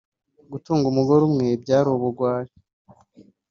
Gutunga umugore umwe byari ubugwari